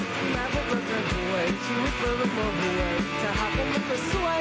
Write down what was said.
ถึงแม้พวกเราเกินเกลือชีวิตเราก็ต่อเกลือ